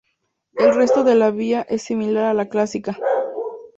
El resto de la vía es similar a la clásica.